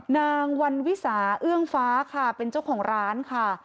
นางวันวิสาเอื้องฟ้าค่ะเป็นเจ้าของร้านค่ะ